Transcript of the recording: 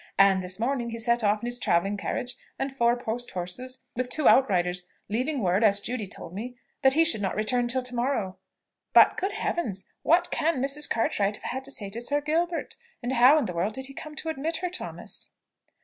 And this morning he set off in his travelling carriage and four post horses with two out riders, leaving word, as Judy told me, that he should not return till to morrow. But, good heavens! what can Mrs. Cartwright have to say to Sir Gilbert? and how in the world did he come to admit her, Thomas?"